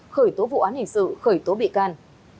khởi tố vụ án hình sự khởi tố bị can